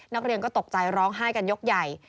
นักเรียนก็ตกใจร้องไห้กันยกใหญ่